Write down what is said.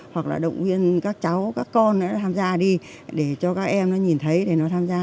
hoặc là động viên các cháu các con nữa tham gia đi để cho các em nó nhìn thấy để nó tham gia